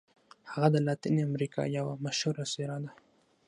هغه د لاتیني امریکا یوه مشهوره څیره ده.